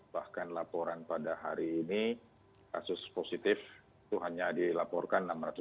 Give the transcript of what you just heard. bahkan laporan pada hari ini kasus positif itu hanya dilaporkan enam ratus tujuh puluh